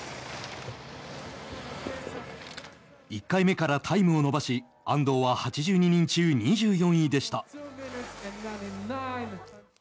１回目からタイムを伸ばし安藤は８２人中２４位でした。